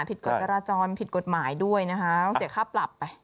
กฎจราจรผิดกฎหมายด้วยนะคะต้องเสียค่าปรับไป